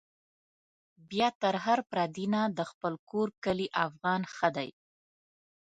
بيا تر هر پردي نه، د خپل کور کلي افغان ښه دی